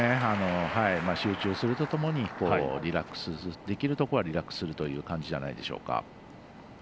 集中するとともにリラックスできるところはリラックスする感じじゃないでしょうか。